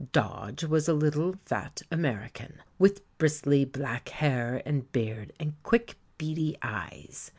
Dodge was a little, fat American, with bristly, black hair and beard, and quick, beady eyes.